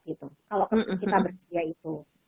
kalau kita bersedia itu